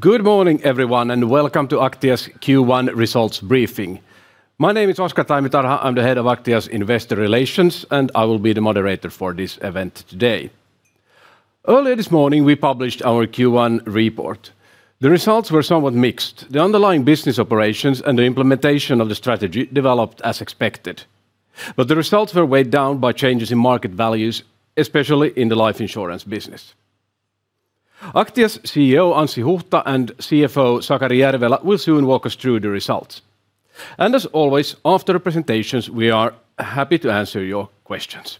Good morning, everyone, and welcome to Aktia's Q1 results briefing. My name is Oscar Taimitarha. I'm the head of Aktia's Investor Relations, and I will be the moderator for this event today. Earlier this morning, we published our Q1 report. The results were somewhat mixed. The underlying business operations and the implementation of the strategy developed as expected. The results were weighed down by changes in market values, especially in the life insurance business. Aktia's CEO, Anssi Huhta, and CFO, Sakari Järvelä, will soon walk us through the results. As always, after the presentations, we are happy to answer your questions.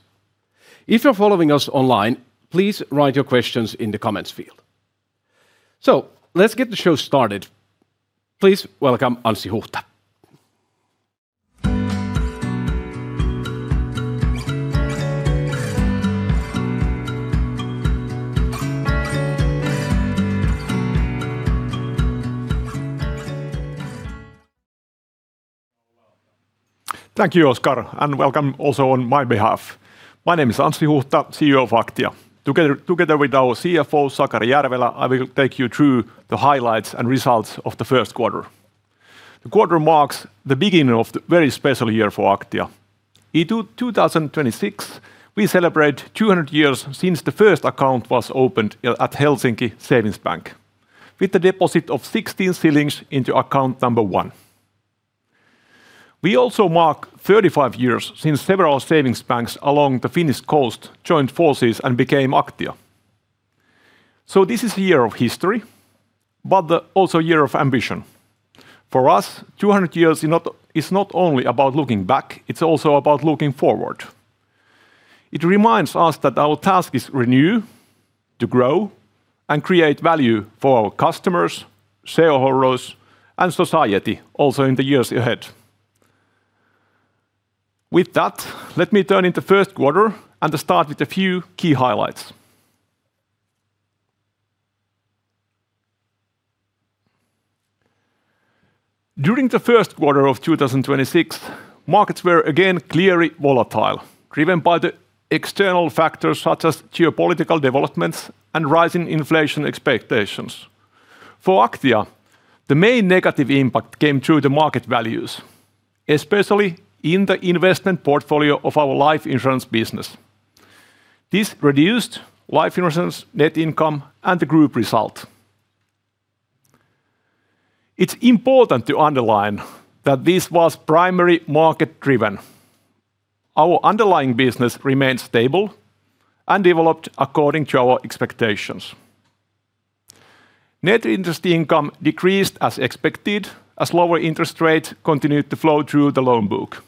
If you're following us online, please write your questions in the comments field. Let's get the show started. Please welcome Anssi Huhta. Thank you, Oscar, and welcome also on my behalf. My name is Anssi Huhta, CEO of Aktia. Together with our CFO, Sakari Järvelä, I will take you through the highlights and results of the first quarter. The quarter marks the beginning of a very special year for Aktia. In 2026, we celebrate 200 years since the first account was opened at Helsinki Savings Bank, with the deposit of 16 shillings into account number one. We also mark 35 years since several savings banks along the Finnish coast joined forces and became Aktia. This is a year of history, but the also year of ambition. For us, 200 years is not only about looking back, it's also about looking forward. It reminds us that our task is renew, to grow, and create value for our customers, shareholders, and society, also in the years ahead. With that, let me turn into first quarter and start with a few key highlights. During the first quarter of 2026, markets were again clearly volatile, driven by the external factors such as geopolitical developments and rising inflation expectations. For Aktia, the main negative impact came through the market values, especially in the investment portfolio of our life insurance business. This reduced life insurance, net income, and the group result. It is important to underline that this was primary market driven. Our underlying business remained stable and developed according to our expectations. Net interest income decreased as expected, as lower interest rate continued to flow through the loan book.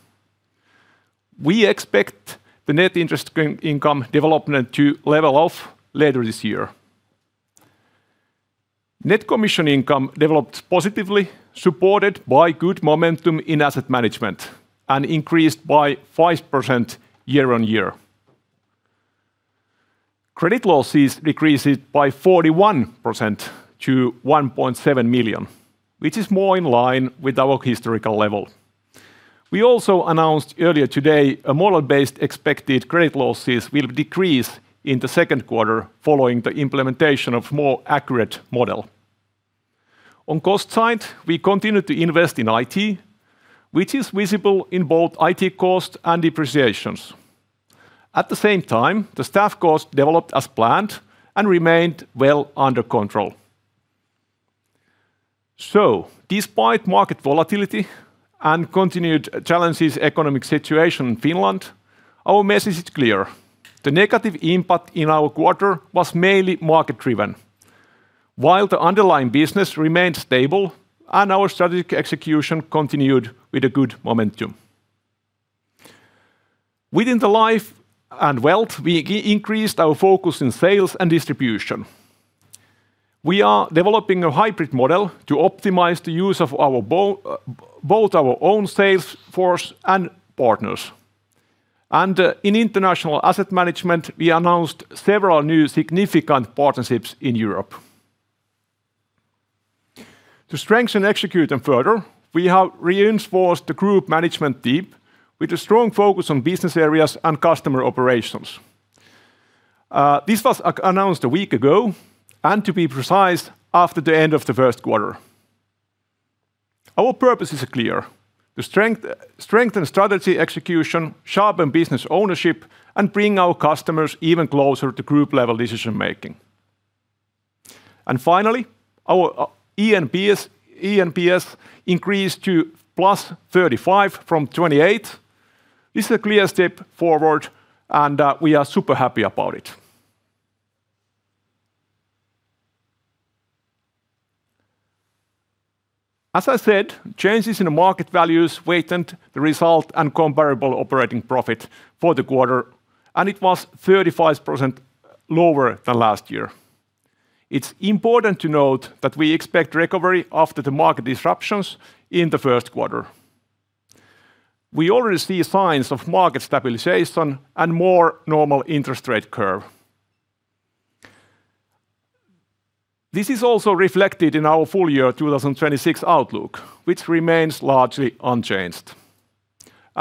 We expect the Net interest income development to level off later this year. Net commission income developed positively, supported by good momentum in asset management, and increased by 5% year-on-year. Credit losses decreased by 41% to 1.7 million, which is more in line with our historical level. We also announced earlier today model-based expected credit losses will decrease in the second quarter following the implementation of more accurate model. On cost side, we continued to invest in IT, which is visible in both IT costs and depreciations. At the same time, the staff costs developed as planned and remained well under control. Despite market volatility and continued challenging economic situation in Finland, our message is clear: the negative impact in our quarter was mainly market driven. While the underlying business remained stable and our strategic execution continued with a good momentum. Within the life and wealth, we increased our focus in sales and distribution. We are developing a hybrid model to optimize the use of both our own sales force and partners. In international asset management, we announced several new significant partnerships in Europe. To execute them further, we have reinforced the group management team with a strong focus on business areas and customer operations. This was announced a week ago, and to be precise, after the end of the first quarter. Our purpose is clear: to strengthen strategy execution, sharpen business ownership, and bring our customers even closer to group-level decision-making. Finally, our ENPS increased to +35 from 28. This is a clear step forward, we are super happy about it. As I said, changes in the market values weighted the result and comparable operating profit for the quarter, and it was 35% lower than last year. It's important to note that we expect recovery after the market disruptions in the first quarter. We already see signs of market stabilization and more normal interest rate curve. This is also reflected in our full year 2026 outlook, which remains largely unchanged.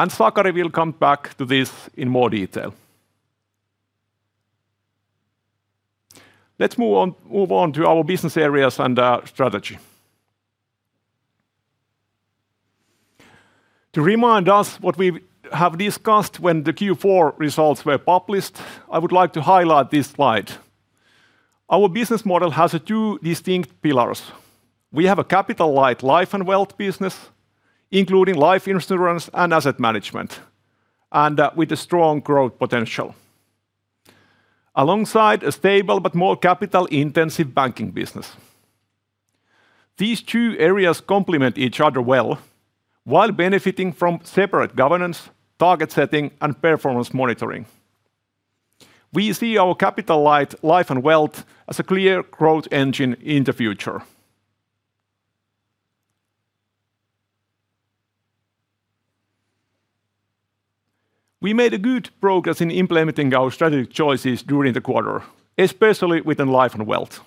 Sakari will come back to this in more detail. Let's move on to our business areas and our strategy. To remind us what we've discussed when the Q4 results were published, I would like to highlight this slide. Our business model has two distinct pillars. We have a capital light life and wealth business, including life insurance and asset management, and with a strong growth potential. Alongside a stable but more capital-intensive banking business. These two areas complement each other well while benefiting from separate governance, target setting, and performance monitoring. We see our capital light life and wealth as a clear growth engine in the future. We made good progress in implementing our strategic choices during the quarter, especially within life and wealth,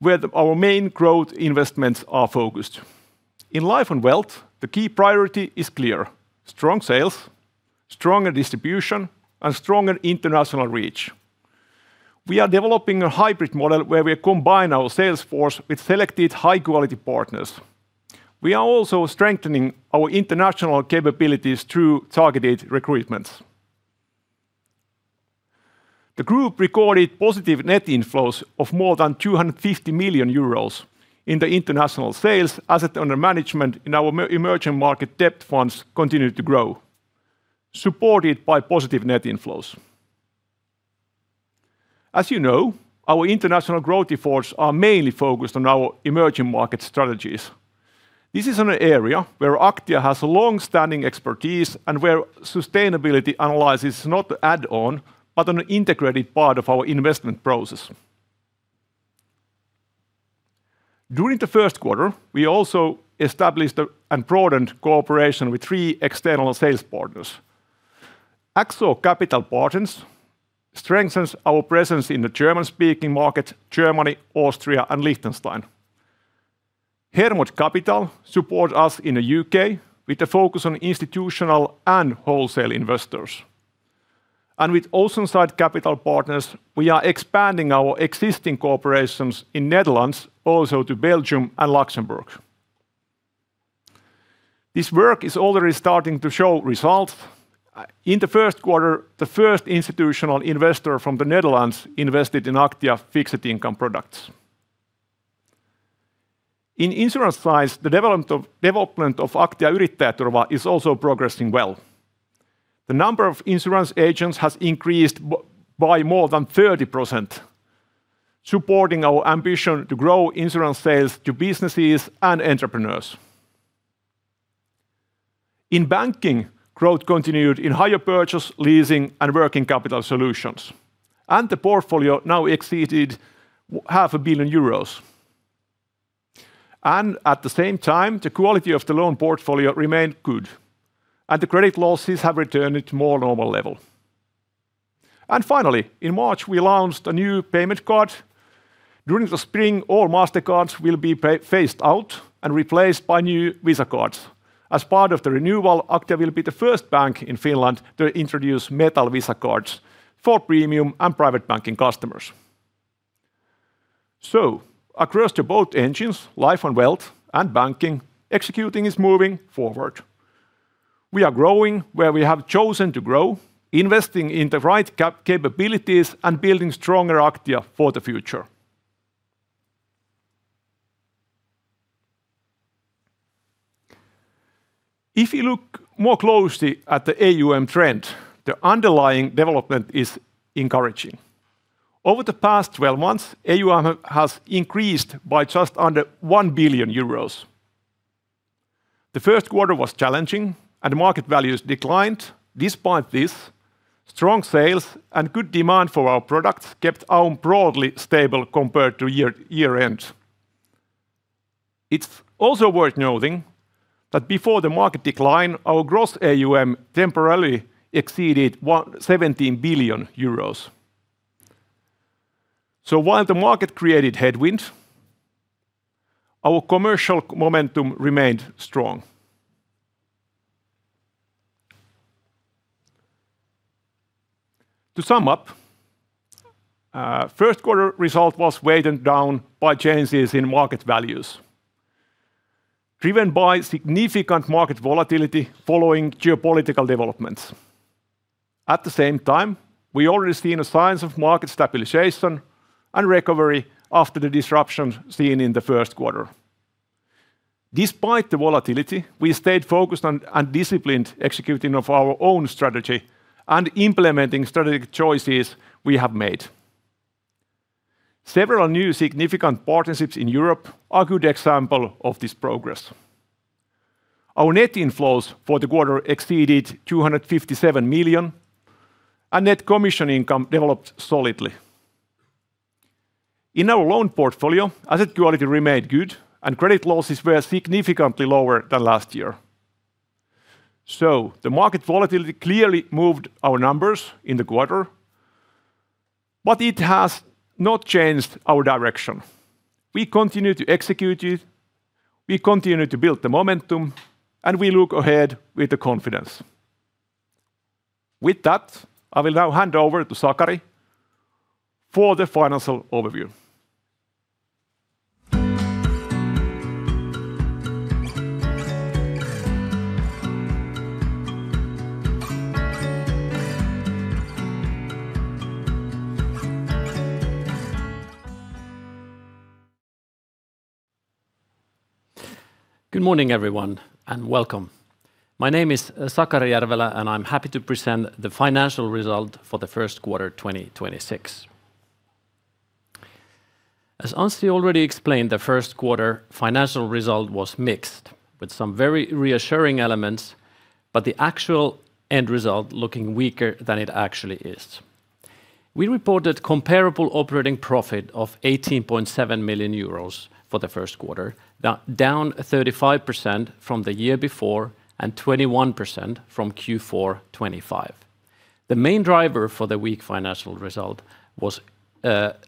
where our main growth investments are focused. In life and wealth, the key priority is clear: strong sales, stronger distribution, and stronger international reach. We are developing a hybrid model where we combine our sales force with selected high quality partners. We are also strengthening our international capabilities through targeted recruitments. The group recorded positive net inflows of more than 250 million euros in the international sales. Assets under management in our emerging market debt funds continued to grow, supported by positive net inflows. As you know, our international growth efforts are mainly focused on our emerging market strategies. This is an area where Aktia has longstanding expertise and where sustainability analysis is not an add-on, but an integrated part of our investment process. During the first quarter, we also established and broadened cooperation with three external sales partners. AXO Capital Partners strengthens our presence in the German-speaking market, Germany, Austria, and Liechtenstein. Hermod Capital support us in the U.K. with a focus on institutional and wholesale investors. With Oceanside Capital Partners, we are expanding our existing cooperation in Netherlands also to Belgium and Luxembourg. This work is already starting to show results. In the first quarter, the first institutional investor from the Netherlands invested in Aktia fixed income products. In insurance size, the development of Aktia Yrittäjäturva is also progressing well. The number of insurance agents has increased by more than 30%, supporting our ambition to grow insurance sales to businesses and entrepreneurs. In banking, growth continued in hire purchase leasing and working capital solutions, the portfolio now exceeded half a billion euros. At the same time, the quality of the loan portfolio remained good, the credit losses have returned at more normal level. Finally, in March, we launched a new payment card. During the spring, all Mastercards will be phased out and replaced by new Visa cards. As part of the renewal, Aktia will be the first bank in Finland to introduce metal Visa cards for premium and private banking customers. Across to both engines, Life and Wealth and banking, executing is moving forward. We are growing where we have chosen to grow, investing in the right capabilities, and building stronger Aktia for the future. If you look more closely at the AUM trend, the underlying development is encouraging. Over the past 12 months, AUM has increased by just under 1 billion euros. The first quarter was challenging, and market values declined. Despite this, strong sales and good demand for our products kept AUM broadly stable compared to year-end. It's also worth noting that before the market decline, our gross AUM temporarily exceeded 17 billion euros. While the market created headwinds, our commercial momentum remained strong. To sum up, first quarter result was weighted down by changes in market values, driven by significant market volatility following geopolitical developments. We already seen signs of market stabilization and recovery after the disruption seen in the first quarter. Despite the volatility, we stayed focused on and disciplined executing of our own strategy and implementing strategic choices we have made. Several new significant partnerships in Europe are a good example of this progress. Our net inflows for the quarter exceeded 257 million, and net commission income developed solidly. The market volatility clearly moved our numbers in the quarter, but it has not changed our direction. We continue to build the momentum, and we look ahead with the confidence. With that, I will now hand over to Sakari for the financial overview. Good morning, everyone, and welcome. My name is Sakari Järvelä, and I'm happy to present the financial result for the first quarter, 2026. As Anssi already explained, the first quarter financial result was mixed with some very reassuring elements, but the actual end result looking weaker than it actually is. We reported comparable operating profit of 18.7 million euros for the first quarter, down 35% from the year before and 21% from Q4 2025. The main driver for the weak financial result was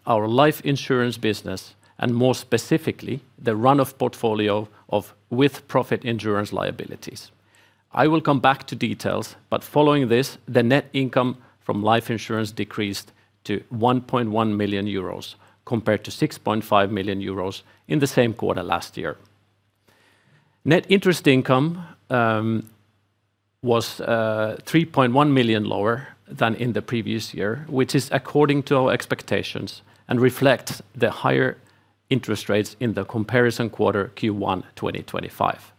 our life insurance business and more specifically, the run-off portfolio of with-profit insurance liabilities. I will come back to details but following this, the net income from life insurance decreased to 1.1 million euros compared to 6.5 million euros in the same quarter last year. Net interest income was 3.1 million lower than in the previous year, which is according to our expectations and reflects the higher interest rates in the comparison quarter Q1 2025.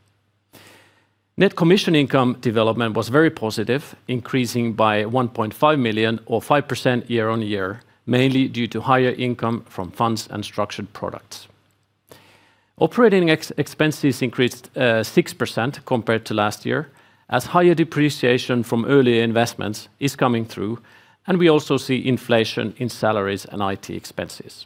Net commission income development was very positive, increasing by 1.5 million or 5% year-on-year, mainly due to higher income from funds and structured products. Operating expenses increased 6% compared to last year as higher depreciation from early investments is coming through, and we also see inflation in salaries and IT expenses.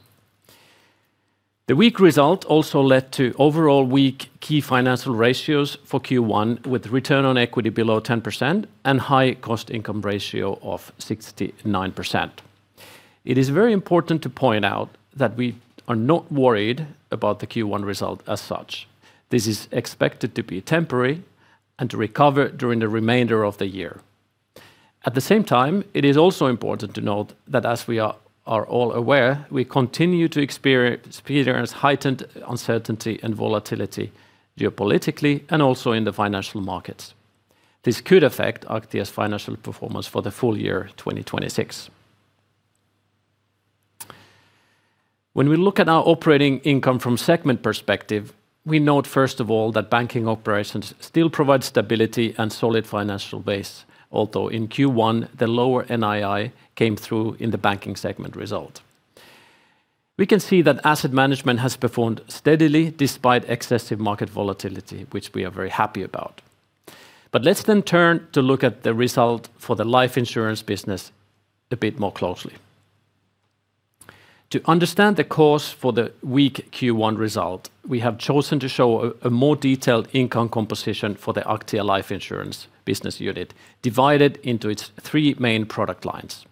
The weak result also led to overall weak key financial ratios for Q1 with return on equity below 10% and high cost income ratio of 69%. It is very important to point out that we are not worried about the Q1 result as such. This is expected to be temporary and to recover during the remainder of the year. It is also important to note that as we are all aware, we continue to experience heightened uncertainty and volatility geopolitically and also in the financial markets. This could affect Aktia's financial performance for the full year 2026. We look at our operating income from segment perspective, we note first of all that banking operations still provide stability and solid financial base. In Q1, the lower NII came through in the banking segment result. We can see that asset management has performed steadily despite excessive market volatility, which we are very happy about. Let's turn to look at the result for the life insurance business a bit more closely. To understand the cause for the weak Q1 result, we have chosen to show a more detailed income composition for the Aktia Life Insurance business unit divided into its three main product lines.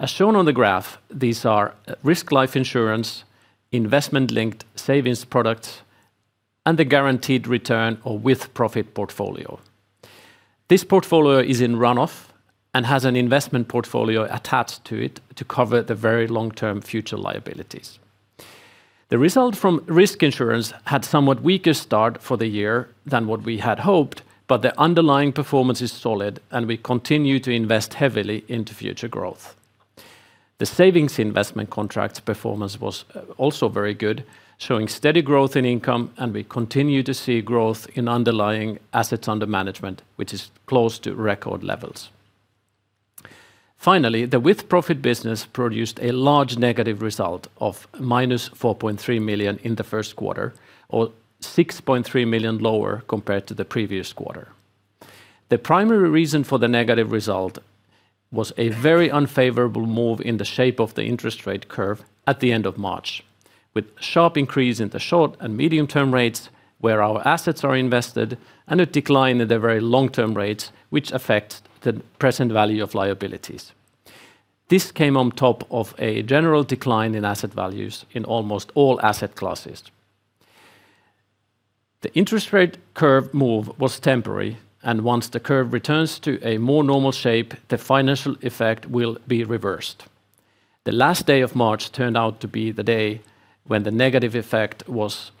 As shown on the graph, these are risk life insurance, investment-linked savings products, and the guaranteed return or with-profit portfolio. This portfolio is in run-off and has an investment portfolio attached to it to cover the very long-term future liabilities. The result from risk insurance had somewhat weaker start for the year than what we had hoped, but the underlying performance is solid, and we continue to invest heavily into future growth. The savings investment contract performance was also very good, showing steady growth in income, and we continue to see growth in underlying assets under management, which is close to record levels. The with-profit business produced a large negative result of minus 4.3 million in the first quarter or 6.3 million lower compared to the previous quarter. The primary reason for the negative result was a very unfavorable move in the shape of the interest rate curve at the end of March, with sharp increase in the short and medium-term rates where our assets are invested and a decline in the very long-term rates which affect the present value of liabilities. This came on top of a general decline in asset values in almost all asset classes. The interest rate curve move was temporary, and once the curve returns to a more normal shape, the financial effect will be reversed. The last day of March turned out to be the day when the negative effect was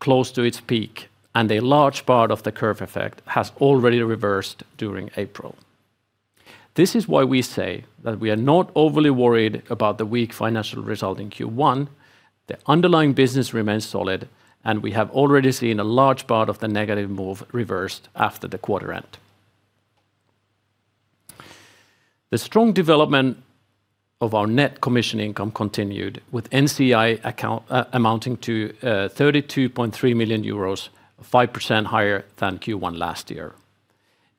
close to its peak, and a large part of the curve effect has already reversed during April. This is why we say that we are not overly worried about the weak financial result in Q1. The underlying business remains solid, and we have already seen a large part of the negative move reversed after the quarter end. The strong development of our net commission income continued with NCI account amounting to 32.3 million euros, 5% higher than Q1 last year.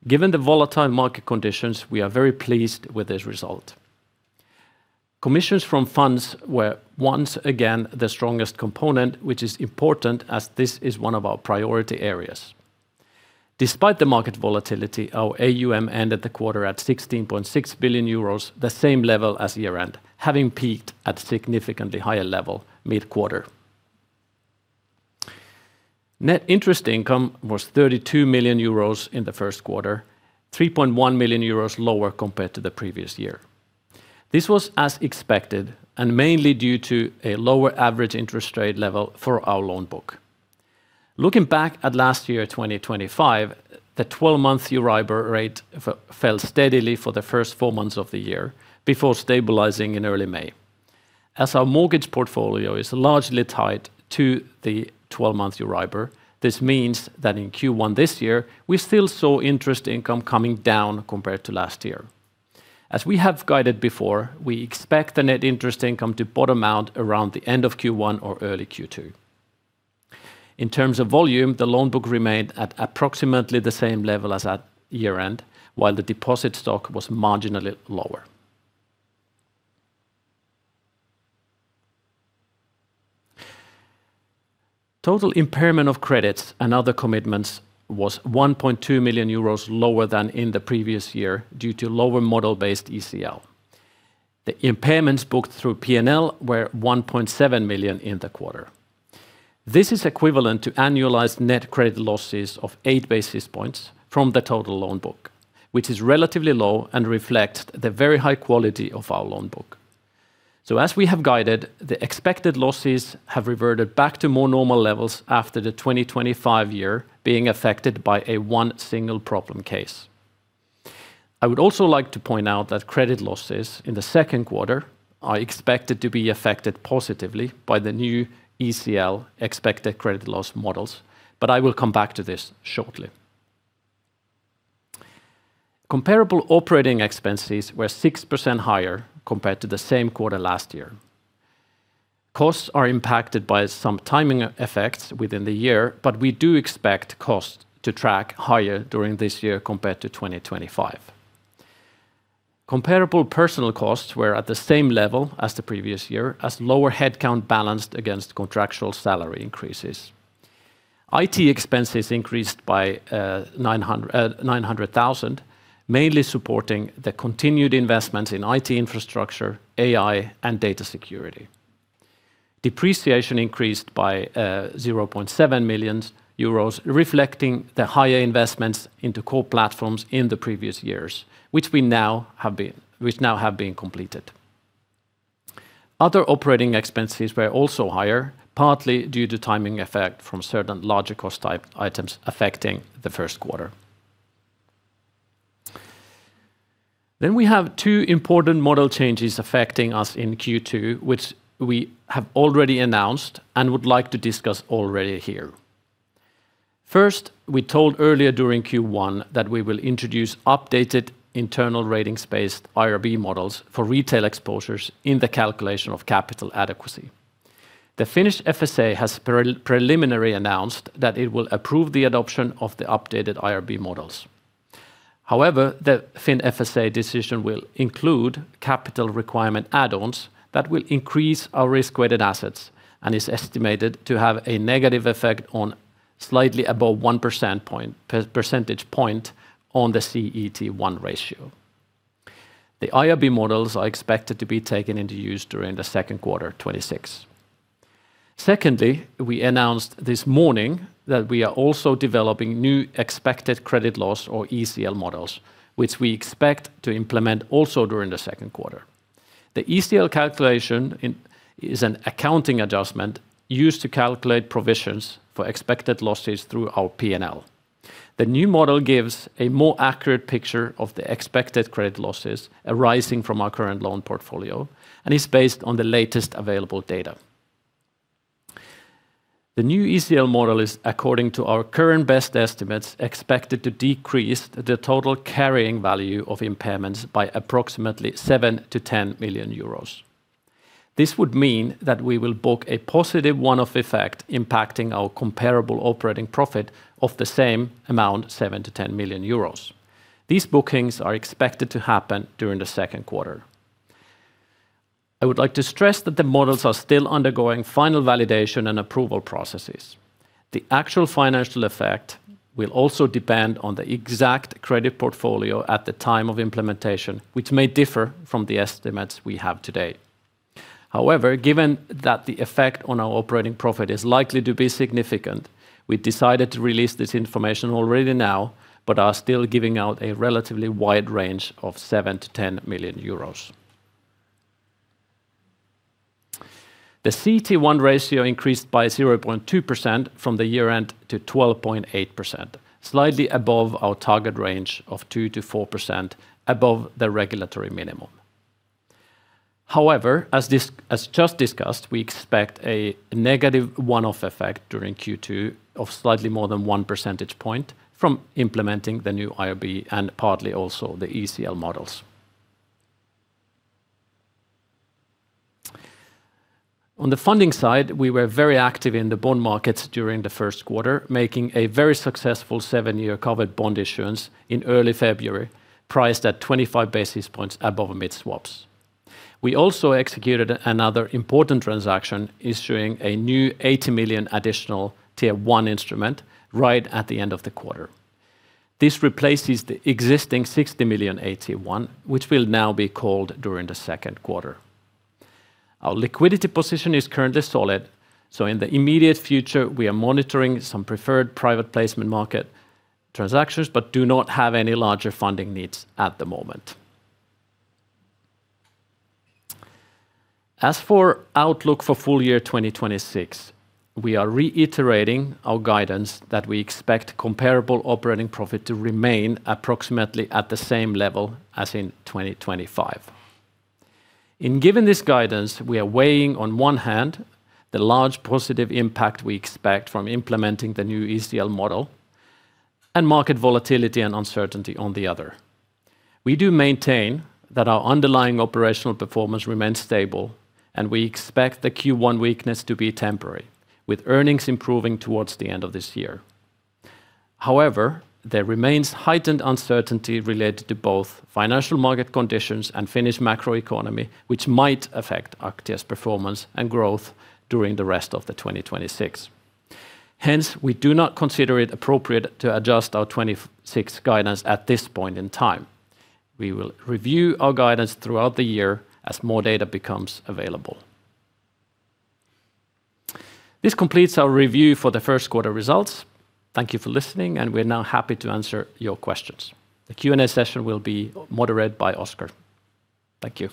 Given the volatile market conditions, we are very pleased with this result. Commissions from funds were once again the strongest component, which is important as this is one of our priority areas. Despite the market volatility, our AUM ended the quarter at 16.6 billion euros, the same level as year-end, having peaked at significantly higher level mid-quarter. NII was 32 million euros in the first quarter, 3.1 million euros lower compared to the previous year. This was as expected, mainly due to a lower average interest rate level for our loan book. Looking back at last year, 2025, the 12-month Euribor rate fell steadily for the first four months of the year before stabilizing in early May. As our mortgage portfolio is largely tied to the 12-month Euribor, this means that in Q1 this year, we still saw interest income coming down compared to last year. As we have guided before, we expect the net interest income to bottom out around the end of Q1 or early Q2. In terms of volume, the loan book remained at approximately the same level as at year-end, while the deposit stock was marginally lower. Total impairment of credits and other commitments was 1.2 million euros lower than in the previous year due to lower model-based ECL. The impairments booked through P&L were 1.7 million in the quarter. This is equivalent to annualized net credit losses of 8 basis points from the total loan book, which is relatively low and reflects the very high quality of our loan book. As we have guided, the expected losses have reverted back to more normal levels after the 2025 year being affected by a one single problem case. I would also like to point out that credit losses in the second quarter are expected to be affected positively by the new ECL expected credit loss models, but I will come back to this shortly. Comparable operating expenses were 6% higher compared to the same quarter last year. Costs are impacted by some timing effects within the year, but we do expect costs to track higher during this year compared to 2025. Comparable personal costs were at the same level as the previous year, as lower headcount balanced against contractual salary increases. IT expenses increased by 900,000, mainly supporting the continued investment in IT infrastructure, AI, and data security. Depreciation increased by 700,000 euros, reflecting the higher investments into core platforms in the previous years, which now have been completed. Other operating expenses were also higher, partly due to timing effect from certain larger cost type items affecting the first quarter. We have two important model changes affecting us in Q2, which we have already announced and would like to discuss already here. First, we told earlier during Q1 that we will introduce updated internal ratings-based IRB models for retail exposures in the calculation of capital adequacy. The Finnish FSA has preliminary announced that it will approve the adoption of the updated IRB models. However, the FIN-FSA decision will include capital requirement add-ons that will increase our risk-weighted assets and is estimated to have a negative effect on slightly above 1 percentage point on the CET1 ratio. The IRB models are expected to be taken into use during the second quarter 2026. We announced this morning that we are also developing new expected credit loss, or ECL, models, which we expect to implement also during the second quarter. The ECL calculation is an accounting adjustment used to calculate provisions for expected losses through our P&L. The new model gives a more accurate picture of the expected credit losses arising from our current loan portfolio and is based on the latest available data. The new ECL model is, according to our current best estimates, expected to decrease the total carrying value of impairments by approximately 7 million-10 million euros. This would mean that we will book a positive one-off effect impacting our comparable operating profit of the same amount, 7 million-10 million euros. These bookings are expected to happen during the second quarter. I would like to stress that the models are still undergoing final validation and approval processes. The actual financial effect will also depend on the exact credit portfolio at the time of implementation, which may differ from the estimates we have today. Given that the effect on our operating profit is likely to be significant, we decided to release this information already now, but are still giving out a relatively wide range of 7 million-10 million euros. The CET1 ratio increased by 0.2% from the year-end to 12.8%, slightly above our target range of 2%-4% above the regulatory minimum. As just discussed, we expect a negative one-off effect during Q2 of slightly more than one percentage point from implementing the new IRB and partly also the ECL models. On the funding side, we were very active in the bond markets during the first quarter, making a very successful seven year covered bond issuance in early February, priced at 25 basis points above mid-swaps. We also executed another important transaction issuing a new 80 million additional Tier 1 instrument right at the end of the quarter. This replaces the existing 60 million AT1, which will now be called during the second quarter. Our liquidity position is currently solid, in the immediate future we are monitoring some preferred private placement market transactions, but do not have any larger funding needs at the moment. As for outlook for full year 2026, we are reiterating our guidance that we expect comparable operating profit to remain approximately at the same level as in 2025. In giving this guidance, we are weighing on one hand the large positive impact we expect from implementing the new ECL model and market volatility and uncertainty on the other. We do maintain that our underlying operational performance remains stable, and we expect the Q1 weakness to be temporary, with earnings improving towards the end of this year. There remains heightened uncertainty related to both financial market conditions and Finnish macroeconomy, which might affect Aktia's performance and growth during the rest of 2026. We do not consider it appropriate to adjust our 2026 guidance at this point in time. We will review our guidance throughout the year as more data becomes available. This completes our review for the first quarter results. Thank you for listening, and we're now happy to answer your questions. The Q&A session will be moderated by Oscar. Thank you.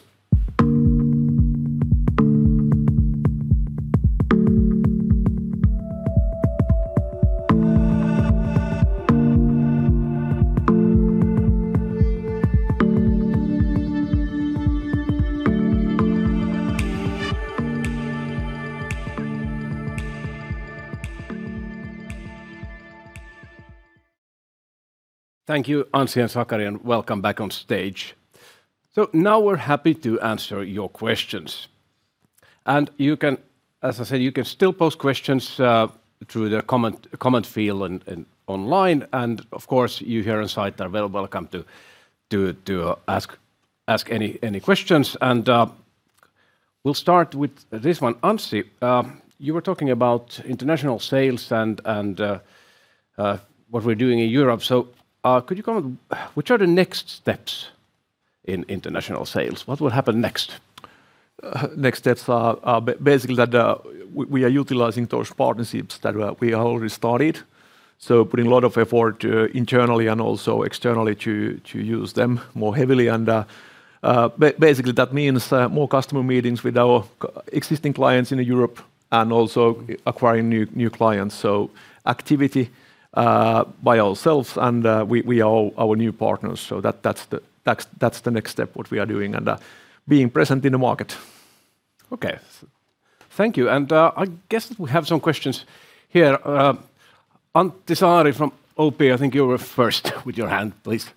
Thank you, Anssi and Sakari, welcome back on stage. Now we're happy to answer your questions. As I said, you can still post questions through the comment field and online. Of course, you here inside are very welcome to ask any questions. We'll start with this one. Anssi, you were talking about international sales and what we're doing in Europe. Could you comment, which are the next steps in international sales? What will happen next? Next steps are basically that we are utilizing those partnerships that we already started, so putting a lot of effort internally and also externally to use them more heavily. Basically that means more customer meetings with our existing clients in Europe and also acquiring new clients. Activity by ourselves and we all our new partners. That's the next step what we are doing and being present in the market. Okay. Thank you. I guess we have some questions here. Antti Saari from OP, I think you were first with your hand. Please.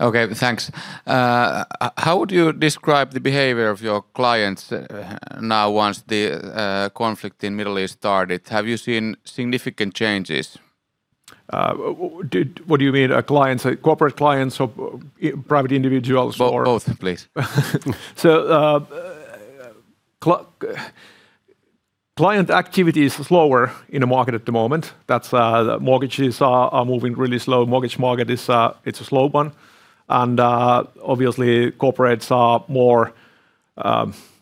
Okay. Thanks. How would you describe the behavior of your clients, now once the conflict in Middle East started? Have you seen significant changes? What do you mean, clients? Like corporate clients or private individuals. Both, please. Client activity is lower in the market at the moment. That's, mortgages are moving really slow. Mortgage market is, it's a slow one. Obviously corporates are more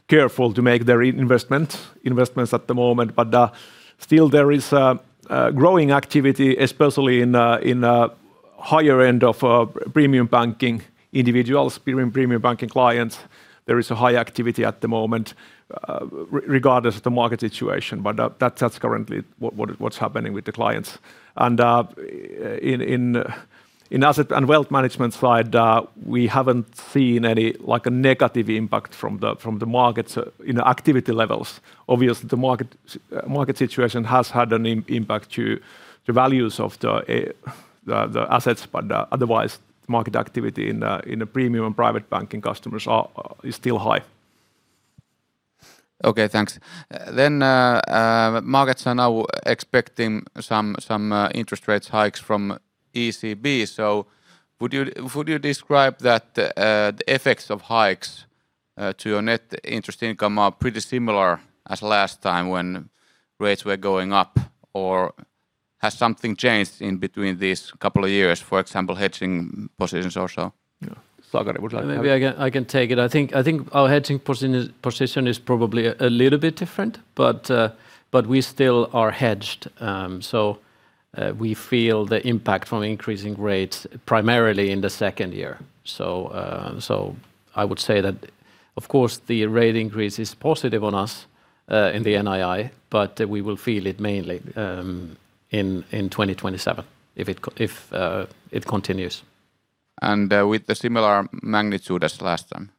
careful to make their investments at the moment. Still there is growing activity, especially in higher end of premium banking individuals, premium banking clients. There is a high activity at the moment, regardless of the market situation. That's currently what's happening with the clients. In asset and wealth management side, we haven't seen any, like, a negative impact from the markets in activity levels. Obviously, the market situation has had an impact to the values of the assets, but otherwise market activity in the premium and private banking customers is still high. Okay. Thanks. Markets are now expecting some interest rates hikes from ECB. Would you describe that, the effects of hikes, to your net interest income are pretty similar as last time when rates were going up, or has something changed in between these couple of years, for example hedging positions or so? Yeah. Sakari, would you like to? I can take it. I think our hedging position is probably a little bit different, but we still are hedged. We feel the impact from increasing rates primarily in the second year. I would say that of course the rate increase is positive on us in the NII, but we will feel it mainly in 2027 if it continues. With the similar magnitude as last time?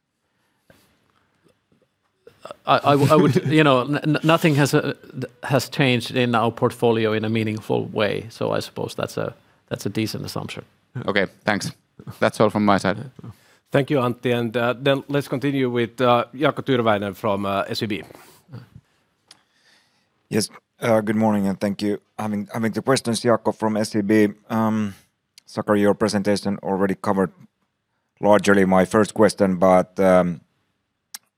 You know, nothing has changed in our portfolio in a meaningful way, so I suppose that's a decent assumption. Okay. Thanks. That's all from my side. Thank you, Antti. Then let's continue with Jaakko Tyrväinen from SEB. Yes. Good morning, and thank you. I mean, I think the question's Jaakko from SEB. Sakari, your presentation already covered largely my first question, but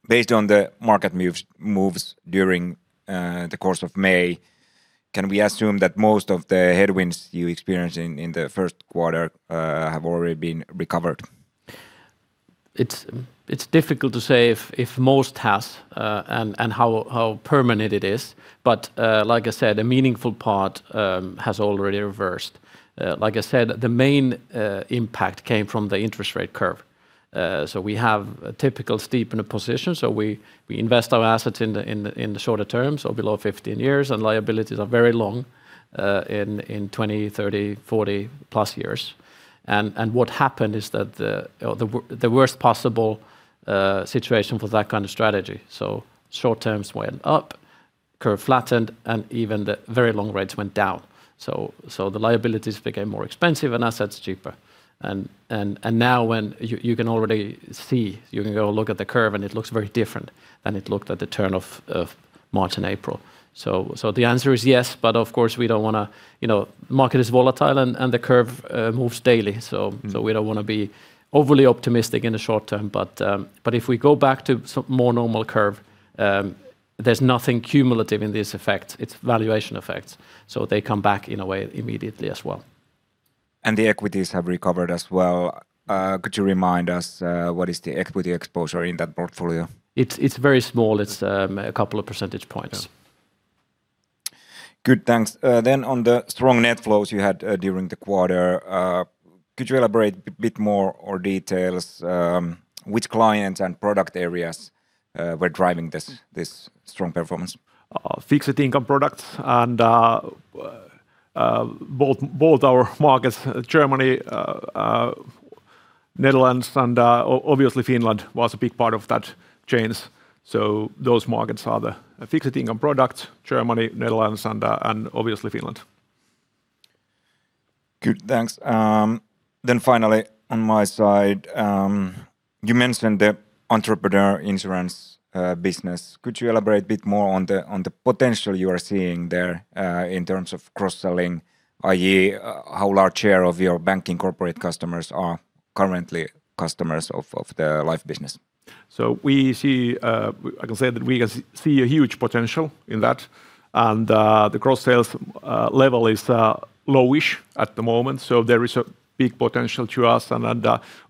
based on the market moves during the course of May, can we assume that most of the headwinds you experienced in the first quarter have already been recovered? It's difficult to say if most has and how permanent it is, like I said, a meaningful part has already reversed. Like I said, the main impact came from the interest rate curve. We have a typical steepener position, so we invest our assets in the shorter terms, so below 15 years, and liabilities are very long in 20, 30, 40-plus years. What happened is that the worst possible situation for that kind of strategy. Short terms went up, curve flattened, and even the very long rates went down. The liabilities became more expensive and assets cheaper. Now when you can already see, you can go look at the curve, and it looks very different than it looked at the turn of March and April. The answer is yes, but of course, we don't wanna. You know, market is volatile, and the curve moves daily. Mm We don't wanna be overly optimistic in the short term. If we go back to more normal curve, there's nothing cumulative in this effect. It's valuation effects. They come back in a way immediately as well. The equities have recovered as well. Could you remind us, what is the equity exposure in that portfolio? It's very small. It's a couple of percentage points. Yeah. Good. Thanks. On the strong net flows you had during the quarter, could you elaborate bit more or details, which clients and product areas were driving this strong performance? Fixed income products and both our markets, Germany, Netherlands and obviously Finland was a big part of that change. Those markets are the fixed income products, Germany, Netherlands and obviously Finland. Good. Thanks. Finally, on my side, you mentioned the entrepreneur insurance business. Could you elaborate a bit more on the potential you are seeing there in terms of cross-selling, i.e., how large share of your banking corporate customers are currently customers of the life business? We see, I can say that we can see a huge potential in that. The cross sales level is low-ish at the moment, so there is a big potential to us.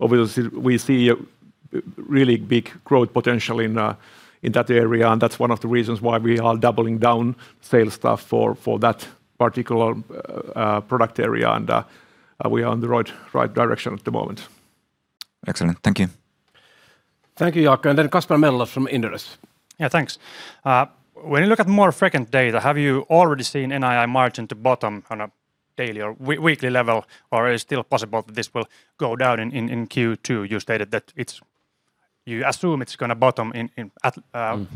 Obviously we see a really big growth potential in that area, and that's one of the reasons why we are doubling down sales staff for that particular product area. We are on the right direction at the moment. Excellent. Thank you. Thank you, Jaakko. Kasper Mellas from Inderes. Yeah, thanks. When you look at more frequent data, have you already seen NII margin to bottom on a daily or weekly level? Or is it still possible that this will go down in Q2? You stated that it's You assume it's gonna bottom at. Mm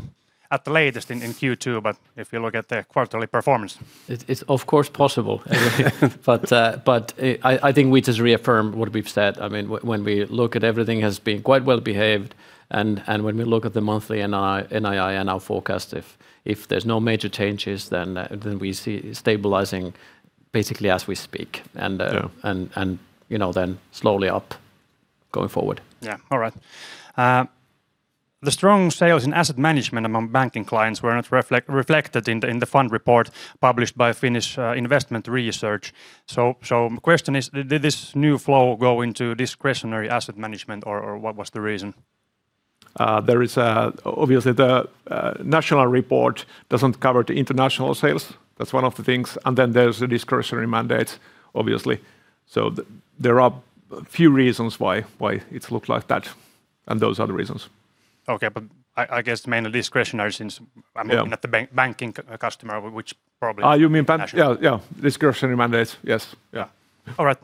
at the latest in Q2, but if you look at the quarterly performance. It's of course possible. I think we just reaffirm what we've said. I mean, when we look at everything as being quite well behaved, and when we look at the monthly NII and our forecast, if there's no major changes, then we see stabilizing basically as we speak. Yeah... and, you know, then slowly up going forward. Yeah. All right. The strong sales in asset management among banking clients were not reflected in the fund report published by Investment Research Finland. Question is, did this new flow go into discretionary asset management, or what was the reason? There is. Obviously the national report doesn't cover the international sales. That's one of the things. There's the discretionary mandates obviously. There are a few reasons why it looks like that, and those are the reasons. Okay. I guess mainly discretionary since I'm looking. Yeah... at the banking customer, which. You mean... Yeah, yeah. Discretionary mandates. Yes. Yeah. All right.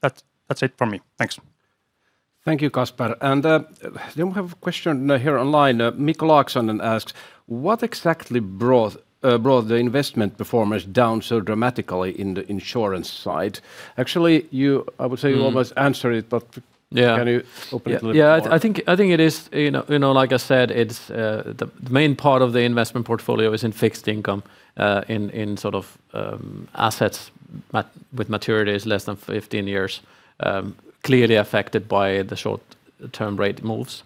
That's it for me. Thanks. Thank you, Kasper. We have a question here online. Micke Larsson asks, "What exactly brought the investment performance down so dramatically in the insurance side?" Actually. Mm You almost answered it. Yeah Can you open it a little bit more? Yeah. I think it is, you know, like I said, it's the main part of the investment portfolio is in fixed income, in sort of assets with maturities less than 15 years, clearly affected by the short-term rate moves.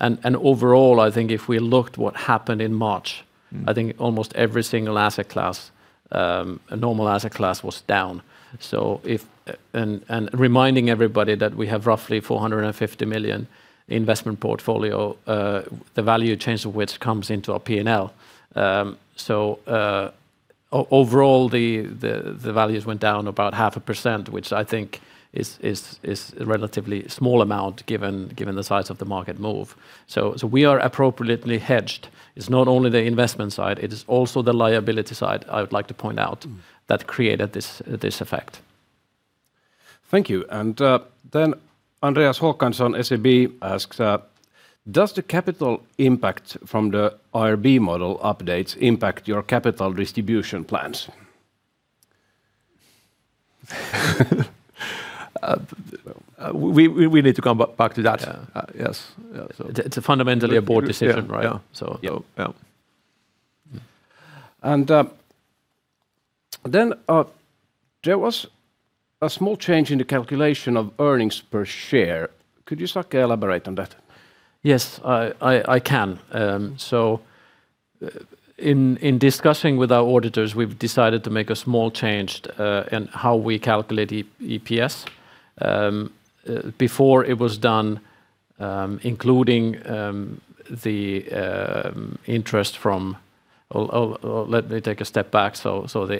Overall, I think if we looked what happened in March. Mm I think almost every single asset class, a normal asset class was down. If... And reminding everybody that we have roughly 450 million investment portfolio, the value change of which comes into our P&L. Overall, the values went down about 0.5%, which I think is a relatively small amount given the size of the market move. We are appropriately hedged. It's not only the investment side. It is also the liability side, I would like to point out. Mm That created this effect. Thank you. Then Andreas Håkansson, SEB, asks, "Does the capital impact from the IRB model updates impact your capital distribution plans?" We need to come back to that. Yeah. yes. Yeah, It's a fundamentally a board decision. Yeah right? Yeah. Yeah. Mm. There was a small change in the calculation of earnings per share. Could you, Sakari, elaborate on that? Yes, I can. In discussing with our auditors, we've decided to make a small change in how we calculate EPS. Or let me take a step back. The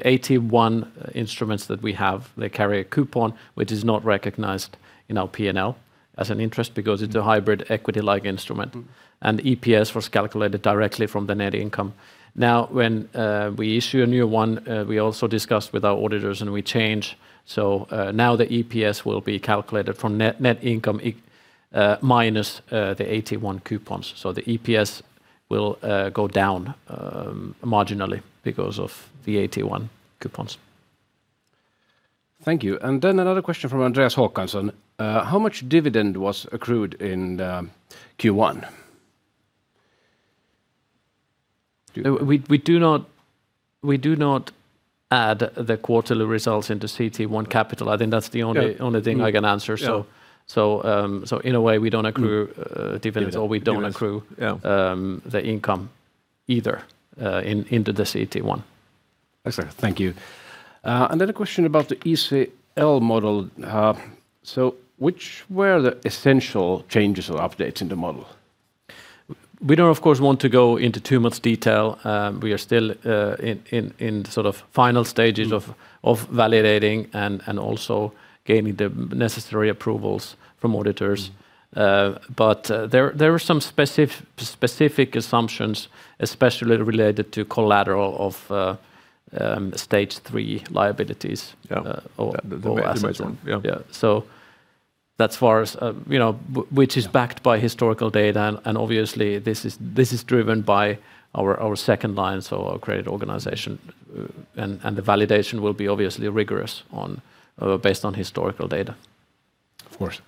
AT1 instruments that we have, they carry a coupon which is not recognized in our P&L as an interest because it is a hybrid equity-like instrument. Mm. EPS was calculated directly from the net income. Now, when we issue a new one, we also discussed with our auditors and we change. Now the EPS will be calculated from net income minus the AT1 coupons. The EPS will go down marginally because of the AT1 coupons. Thank you. Then another question from Andreas Håkansson. How much dividend was accrued in Q1? We do not add the quarterly results into CET1 Capital. I think that's the only- Yeah Only thing I can answer. Yeah. In a way we don't. Yeah dividends. Yeah, yeah. or we don't accrue. Yeah the income either, into this AT1. Excellent. Thank you. Another question about the ECL model. Which were the essential changes or updates in the model? We don't of course want to go into too much detail. We are still in sort of final stages. Mm... of validating and also gaining the necessary approvals from auditors. Mm. There were some specific assumptions, especially related to collateral of, stage three liabilities. Yeah or assets. The major one. Yeah. Yeah. that's far as, you know, Yeah ...which is backed by historical data and obviously this is driven by our second line, so our credit organization. The validation will be obviously rigorous on based on historical data. Of course.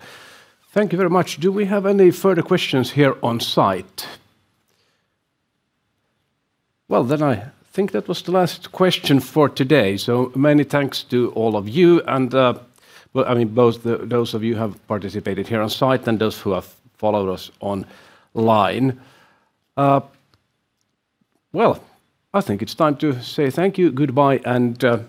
Thank you very much. Do we have any further questions here on site? Well, I think that was the last question for today, so many thanks to all of you and well, I mean, those of you who have participated here on site and those who have followed us online. Well, I think it's time to say thank you, goodbye, and